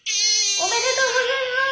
・・おめでとうございます。